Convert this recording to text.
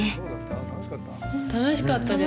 楽しかったです。